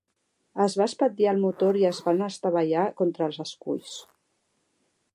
Es va espatllar el motor i es van estavellar contra els esculls.